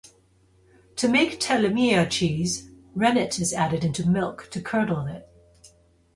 To make "telemea" cheese, rennet is added into milk to curdle it.